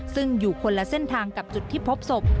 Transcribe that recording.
ซึ่งอยู่คนละเส้นทางกับจุดที่พบศพ